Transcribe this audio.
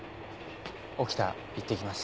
沖田行ってきます。